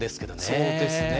そうですね。